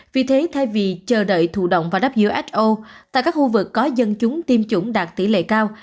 vì thế thay vì chờ đợi thủ động vào who tại các khu vực có dân chúng tiêm chủng đạt tỷ lệ cao